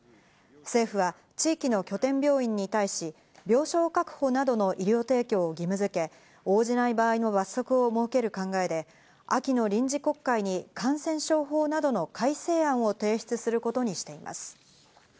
政府は地域の拠点病院に対し、病床確保などの医療提供を義務付け、応じない場合の罰則を設ける考えで秋の臨時国会に感染症法などの改正案を提出することにしています。